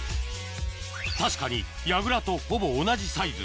確かに櫓とほぼ同じサイズ